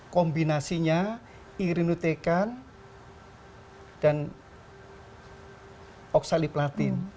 kombinasinya irinutekan dan oksaliplatin